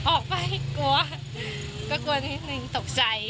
ออกไปกลัวก็กลัวนิดนึงตกใจ